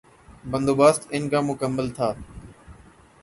بندوبست ان کا مکمل تھا۔